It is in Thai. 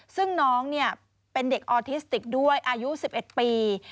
ซึ่งน้องเป็นเด็กออทิสติกด้วยอายุ๑๑ปี